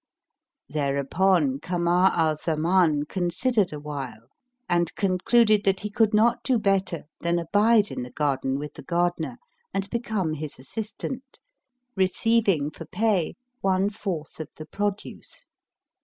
Thereupon Kamar al Zaman considered awhile and concluded that he could not do better than abide in the garden with the gardener and become his assistant, receiving for pay one fourth of the produce.